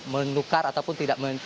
menukar ataupun tidak